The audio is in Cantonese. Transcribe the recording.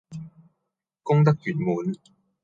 功德圓滿